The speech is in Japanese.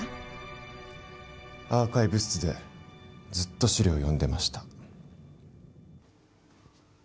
アーカイブ室でずっと資料を読んでました。